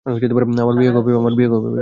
আমার বিয়ে কবে হবে?